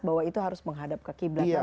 bahwa itu harus menghadap ke qiblat